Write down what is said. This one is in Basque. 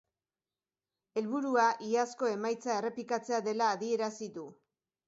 Helburua iazkoa emaitza errepikatzea dela adierazi du.